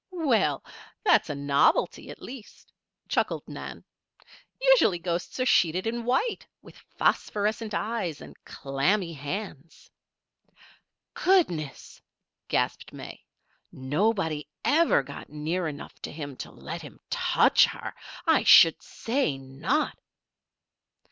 "Well! that's a novelty, at least," chuckled Nan. "Usually ghosts are sheeted in white, with phosphorescent eyes and clammy hands." "Goodness!" gasped May. "Nobody ever got near enough to him to let him touch her! I should say not!"